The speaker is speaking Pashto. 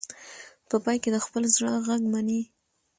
په پای کې د خپل زړه غږ مني.